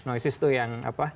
noisis itu yang apa